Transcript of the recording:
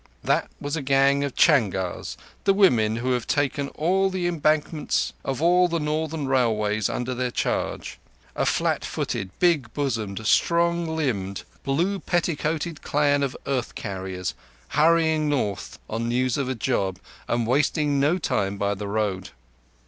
That was a gang of changars—the women who have taken all the embankments of all the Northern railways under their charge—a flat footed, big bosomed, strong limbed, blue petticoated clan of earth carriers, hurrying north on news of a job, and wasting no time by the road.